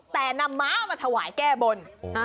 แต่นำม้ามาถวายแก้บน